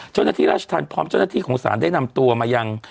เจ้าหน้าที่ราชธรรมพร้อมเจ้าหน้าที่ของศาลได้นำตัวมายัง